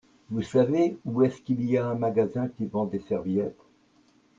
Vous savez où est-ce qu'il y a un magasin qui vend des serviettes ?